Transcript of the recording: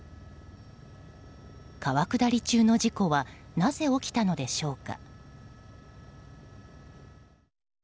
川下り中の事故はなぜ起きたのでしょうか。